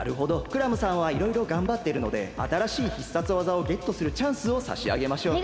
クラムさんはいろいろがんばってるのであたらしい必殺技をゲットするチャンスをさしあげましょう。